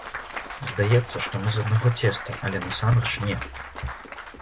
Здаецца, што мы з аднаго цеста, але насамрэч не.